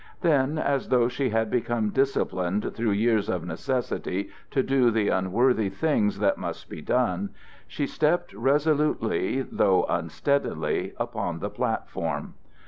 Then as though she had become disciplined through years of necessity to do the unworthy things that must be done, she stepped resolutely though unsteadily upon the platform.